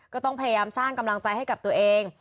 ก็ต้องพยายามสร้างกำลังใจให้กับตัวเอง